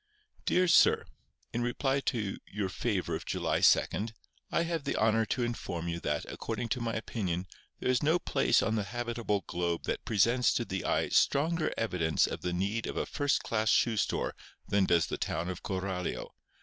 Dear Sir: In reply to your favour of July 2d, I have the honour to inform you that, according to my opinion, there is no place on the habitable globe that presents to the eye stronger evidence of the need of a first class shoe store than does the town of Coralio.